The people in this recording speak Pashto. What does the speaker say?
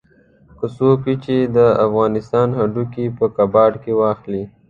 که څوک وي چې د افغانستان هډوکي په کباړ کې واخلي.